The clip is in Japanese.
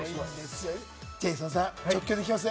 ジェイソンさん、直球で聞きます。